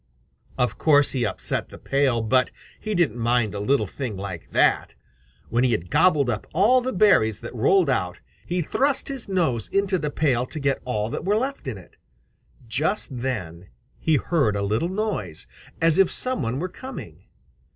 Of course he upset the pail, but he didn't mind a little thing like that. When he had gobbled up all the berries that rolled out, he thrust his nose into the pail to get all that were left in it. Just then he heard a little noise, as if some one were coming.